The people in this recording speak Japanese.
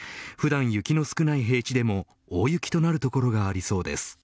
普段、雪の少ない平地でも大雪となる所がありそうです。